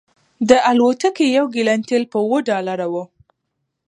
د الوتکې یو ګیلن تیل په اوه ډالره و